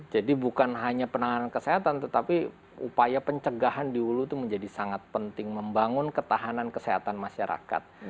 jadi bukan hanya penanganan kesehatan tetapi upaya pencegahan di hulu itu menjadi sangat penting membangun ketahanan kesehatan masyarakat